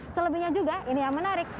selebihnya juga ini yang menarik